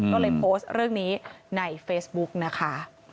ก็เลยโพสต์เรื่องนี้ในเฟซบุ๊กนะคะ